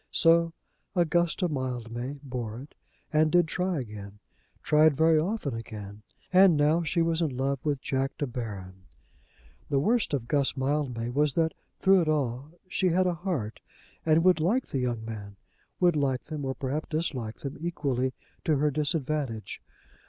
So Augusta Mildmay bore it and did try again; tried very often again. And now she was in love with Jack De Baron. The worst of Guss Mildmay was that, through it all, she had a heart and would like the young men, would like them, or perhaps dislike them, equally to her disadvantage.